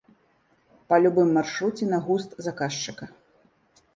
Па любым маршруце на густ заказчыка.